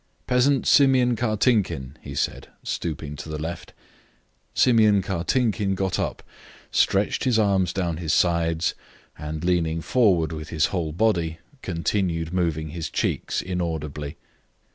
"Peasant Simeon Kartinkin," he said, stooping to the left. Simeon Kartinkin got up, stretched his arms down his sides, and leaning forward with his whole body, continued moving his cheeks inaudibly.